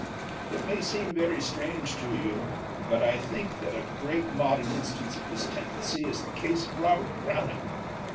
It may seem very strange to you, but I think that a great modern instance of this tendency is the case of Robert Browning.